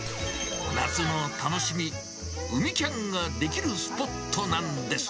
夏の楽しみ、海キャンができるスポットなんです。